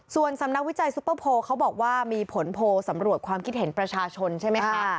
ส่วนสำนักวิจัยซุปเปอร์โพลเขาบอกว่ามีผลโพลสำรวจความคิดเห็นประชาชนใช่ไหมคะ